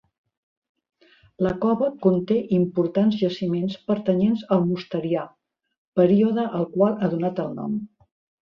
La cova conté importants jaciments pertanyents al mosterià, període al qual ha donat el nom.